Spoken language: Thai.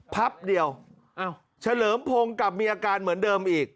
พับเดียวเฉลิมพงศ์กลับมีอาการเหมือนเดิมอีก